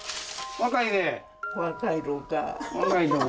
若いねえ。